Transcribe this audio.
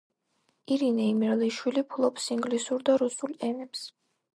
ირინე იმერლიშვილი ფლობს ინგლისურ და რუსულ ენებს.